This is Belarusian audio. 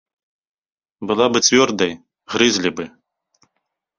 Была бы цвёрдай, грызлі бы!